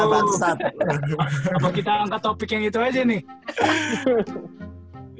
kenapa kita angkat topik yang itu aja nih